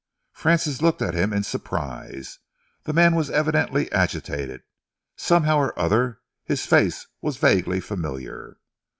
Francis looked at him in surprise. The man was evidently agitated. Somehow or other, his face was vaguely familiar.